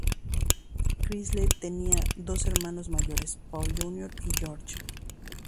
Childers tenía dos hermanos mayores, Paul Jr., y George.